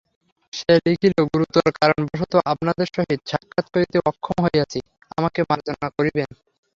সে লিখিল, গুরুতর-কারণ-বশত আপনাদের সহিত সাক্ষাৎ করিতে অক্ষম হইয়াছি, আমাকে মার্জনা করিবেন।